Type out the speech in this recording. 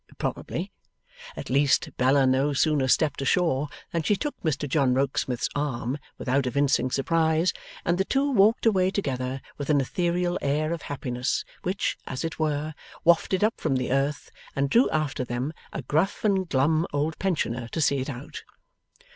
Probably. At least, Bella no sooner stepped ashore than she took Mr John Rokesmith's arm, without evincing surprise, and the two walked away together with an ethereal air of happiness which, as it were, wafted up from the earth and drew after them a gruff and glum old pensioner to see it out.